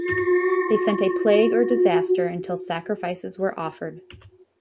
They sent a plague or disaster until sacrifices were offered.